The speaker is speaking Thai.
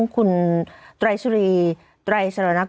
คุณตรายศรี